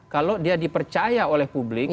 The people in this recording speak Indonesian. kalau dia dipercaya oleh publik